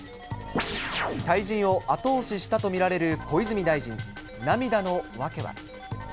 退陣を後押ししたと見られる小泉大臣、涙の訳は。